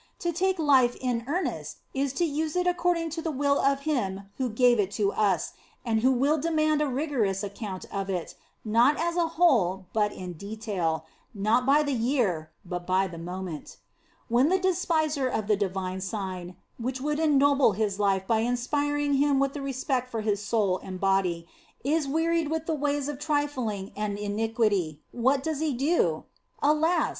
To tajce life in earnest, is to use it according to the will of Him who gave it to us, and who will demand a rigorous account of it, not as a whole, but in detail ; not by the year, but by the moment. When the despiser of the Divine Sign, which would ennoble his life by inspiring him with respect for his soul and body, is wearied with the ways of trifling and iniquity, what does he do ? Alas !